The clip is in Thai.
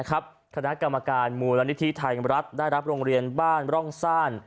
คณะกรรมการมูลนิธิไทยรัฐได้รับโรงเรียนบ้านร่องซ่าน